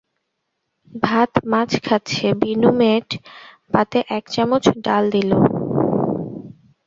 ভাত-মাছ খাচ্ছে বিনু মেয়েট পাতে এক চামচ ডাল দিল।